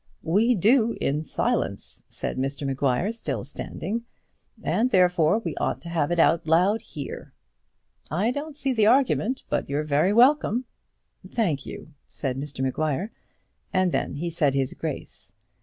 "We do, in silence," said Mr Maguire, still standing; "and therefore we ought to have it out loud here." "I don't see the argument; but you're very welcome." "Thank you," said Mr Maguire; and then he said his grace.